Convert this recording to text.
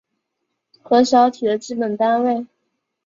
核小体的基本单位。